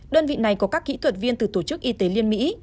đơn vị này có các kỹ thuật viên từ tổ chức y tế liên mỹ